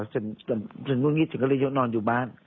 ฉันงุ่นงี้ฉันก็เลยยกนอนอยู่บ้าน